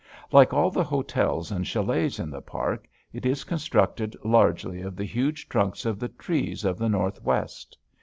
Like all the hotels and chalets in the park, it is constructed largely of the huge trunks of the trees of the Northwest.